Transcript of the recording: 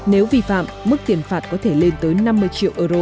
nếu vi phạm mức tiền phạt có thể lên tới năm mươi triệu euro